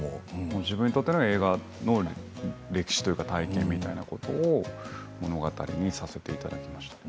自分にとって映画の歴史というか体験みたいなことを物語にさせていただきました。